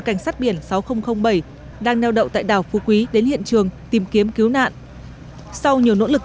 cảnh sát biển sáu nghìn bảy đang neo đậu tại đảo phu quý đến hiện trường tìm kiếm cứu nạn sau nhiều nỗ lực